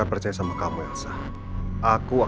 udah gak mau